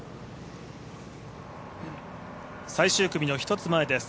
最終組の１つ前です。